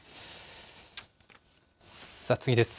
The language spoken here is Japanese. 次です。